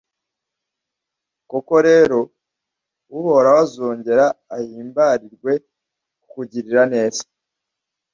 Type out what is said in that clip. koko rero uhoraho azongera ahimbarirwe kukugirira neza